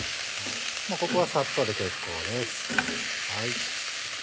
もうここはサッとで結構です。